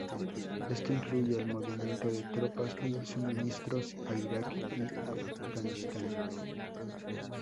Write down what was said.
Esto incluye el movimiento de tropas y suministros a Irak y Afganistán.